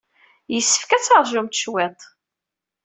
Yessefk ad teṛjumt cwiṭ.